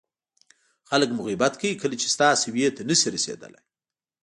خلک مو غیبت کوي کله چې ستا سویې ته نه شي رسېدلی.